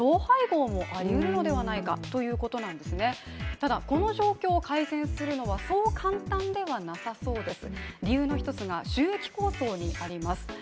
ただ、この状況を改善するのは、そう簡単ではなさそうです。